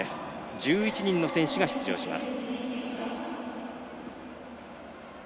１１人の選手が出場します。